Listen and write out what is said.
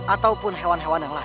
ataupun hewan hewan yang lain